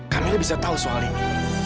kamu aja bisa tau soal ini